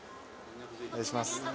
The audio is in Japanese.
お願いします。